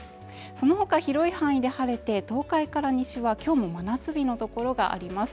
そのほか広い範囲で晴れて東海から西は今日も真夏日の所があります